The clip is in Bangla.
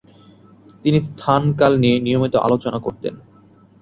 তিনি স্থান-কাল নিয়ে নিয়মিত আলোচনা করতেন।